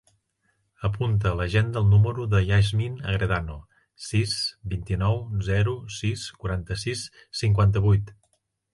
Apunta a l'agenda el número de la Yasmin Agredano: sis, vint-i-nou, zero, sis, quaranta-sis, cinquanta-vuit.